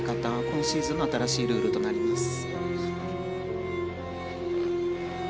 今シーズンの新しいルールとなります。